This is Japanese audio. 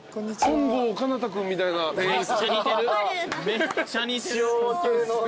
めっちゃ似てる。